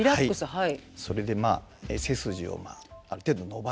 はい。